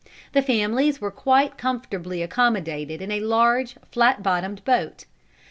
The families were quite comfortably accommodated in a large flat bottomed boat.